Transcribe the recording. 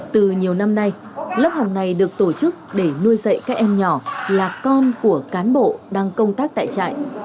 từ nhiều năm nay lớp học này được tổ chức để nuôi dạy các em nhỏ là con của cán bộ đang công tác tại trại